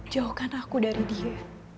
jauhkan aku dari dia